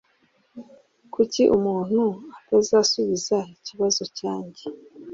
Kuki umuntu atazasubiza ikibazo cyanjye?